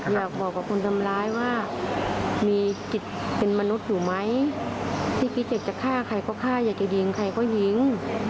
อยากบอกกับคนทำร้ายว่ามีจิตเป็นมนุษย์อยู่ไหมที่คิดอยากจะฆ่าใครก็ฆ่าอยากจะยิงใครก็ยิง